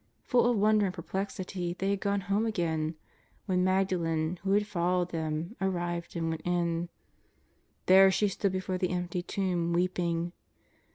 Full of wonder and perplexity they had gone home again, when Magdalen, who had followed them, arrived and went in. There she stood before the empty tomb weeping.